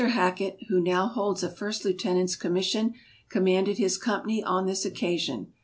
Hackett, who now holds a First Lieutenant 's commission, commanded his company on this occa sion.